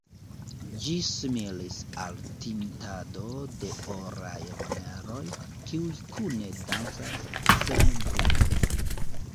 Ĝi similis al tintado de oraj moneroj, kiuj kune dancas senbride.